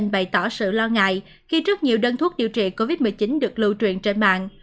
bày tỏ sự lo ngại khi rất nhiều đơn thuốc điều trị covid một mươi chín được lưu truyền trên mạng